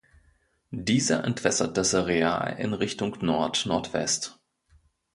Dieser entwässert das Areal in Richtung Nordnordwest.